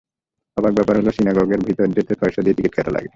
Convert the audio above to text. অবাক ব্যাপার হলো সিনাগগের ভেতরে যেতে পয়সা দিয়ে টিকিট কাটা লাগে।